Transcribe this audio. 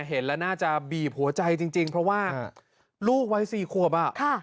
เห็นแล้วน่าจะบีบหัวใจจริงเพราะว่าลูกวัย๔ขวบอ่ะ